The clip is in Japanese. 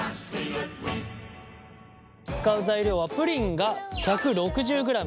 使う材料はプリンが１６０ｇ。